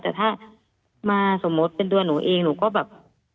แต่ถ้ามาสมมุติเป็นตัวหนูเองหนูก็แบบ